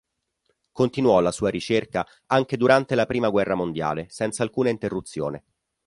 Continuò la sua ricerca anche durante la Prima guerra mondiale, senza alcuna interruzione.